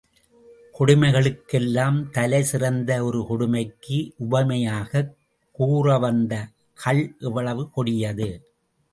கொடுமைகளுக்கெல்லாம் தலைசிறந்த ஒரு கொடுமைக்கு உவமையாகக் கூறவந்த கள் எவ்வளவு கொடியது?